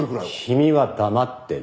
君は黙ってろ。